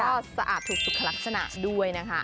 ก็สะอาดถูกสุขลักษณะด้วยนะคะ